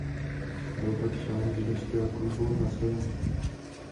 Byl pak členem židovského klubu na Sejmu.